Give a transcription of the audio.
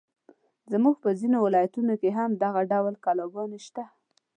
زموږ په ځینو ولایتونو کې هم دغه ډول کلاګانې شته.